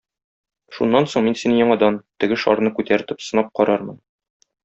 Шуннан соң мин сине яңадан, теге шарны күтәртеп, сынап карармын.